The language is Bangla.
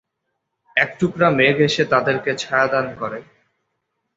এক টুকরা মেঘ এসে তাদেরকে ছায়াদান করে।